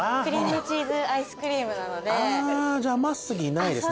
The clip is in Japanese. じゃあ甘過ぎないですね